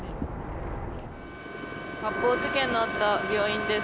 発砲事件のあった病院です。